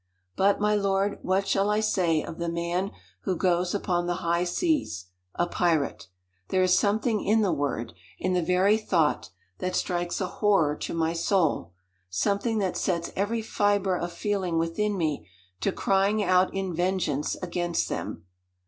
"But, my lord, what shall I say of the man who goes upon the high seas, a pirate? There is something in the word, in the very thought, that strikes a horror to my soul; something that sets every fiber of feeling within me to crying out in vengeance against them.